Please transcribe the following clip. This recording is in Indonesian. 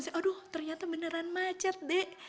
aduh ternyata beneran macet deh